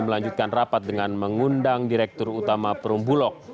melanjutkan rapat dengan mengundang direktur utama perumbulok